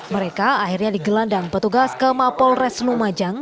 mereka akhirnya digelandang petugas ke mapol res lumajang